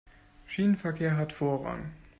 Schienenverkehr hat Vorrang.